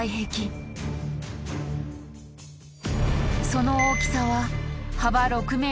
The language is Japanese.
その大きさは幅６ｍ